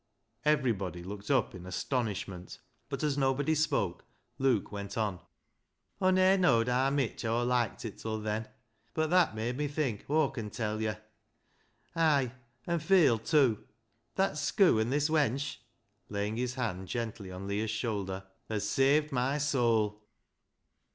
Everybody looked up in astonishment, but as nobody spoke, Luke went on —" Aw ne'er know'd haa mitch Aw loiked it till then, bud that made me think, Aw con tell yo' ! Ay, an' feel tew ! That schoo' and this wench" — laying his hand gently on Leah's shoulder —" has saved my soul."